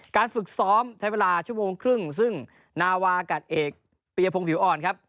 ฝึกซ้อมใช้เวลาชั่วโมงครึ่งซึ่งนาวากัดเอกปียพงศ์ผิวอ่อนครับ